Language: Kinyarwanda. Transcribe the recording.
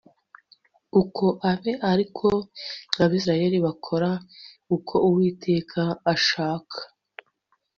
uko abe ari ko abisirayeli bakora uko uwiteka ashaka